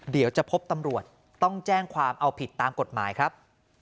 เดี๋ยวจะพบตำรวจต้องแจ้งความเอาผิดตามกฎหมายครับ